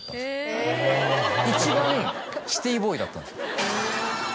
一番シティーボーイだったんです。